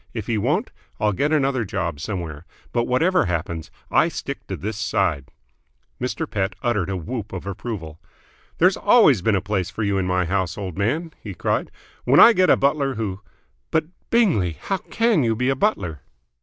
If he won't, I'll get another job somewhere. But, whatever happens, I stick to this side!" Mr. Pett uttered a whoop of approval. "There's always been a place for you in my house, old man!" he cried. "When I get a butler who " "But, Bingley! How can you be a butler?"